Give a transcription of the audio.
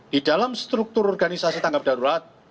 di dalam struktur organisasi tanggap darurat